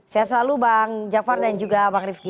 saya selalu bang jafar dan juga bang rifki